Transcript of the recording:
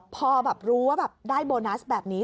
พอรู้ว่าแบบได้โบนัสแบบนี้